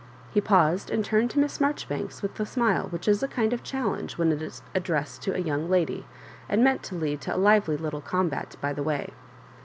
He paused and turned to Miss Maijoribanks with the smile which is a kind of challenge when it is ad dressed to a young lady, and meant to lead to a livdy little combat by the way.